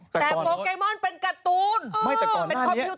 แต่โปเกมอนเป็นการ์ตูนเป็นคอมพิวต